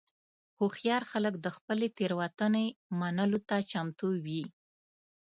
هوښیار خلک د خپلې تېروتنې منلو ته چمتو وي.